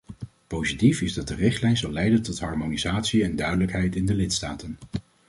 Positief is dat de richtlijn zal leiden tot harmonisatie en duidelijkheid in de lidstaten.